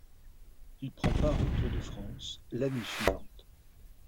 Il prend part au Tour de France l'année suivante.